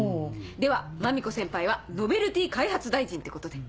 ではマミコ先輩はノベルティ開発大臣ってことで。